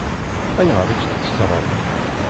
Ayɣer i t-teṣṣṛeḍ?